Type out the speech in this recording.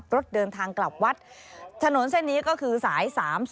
รถเดินทางกลับวัดถนนเส้นนี้ก็คือสาย๓๐